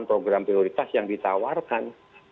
program prioritas yang ditawarkan